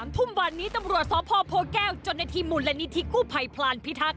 ๓ทุ่มวันนี้ตำรวจสพแก้วจนในที่หมุนและนิธิคู่ภัยพลานพิทักษ์